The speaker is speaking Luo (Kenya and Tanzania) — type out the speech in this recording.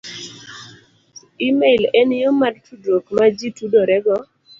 c- E-mail En yo mar tudruok ma ji tudorego